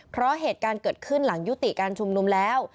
เพราะเหตุการณ์เกิดขึ้นหลังยุติการชุมนุมแล้ว